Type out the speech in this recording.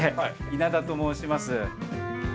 稲田と申します。